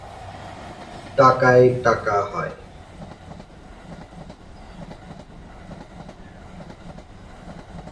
কিন্তু আদিত্য পেশাদার ক্রিকেটার হতে ছিলেন।